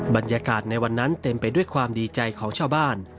บรรยากาศในวันนั้นเต็มไปด้วยความดีใจของชาวบ้าน